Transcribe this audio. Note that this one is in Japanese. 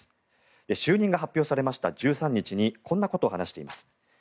就任が発表されました１３日にこんなことを話しています。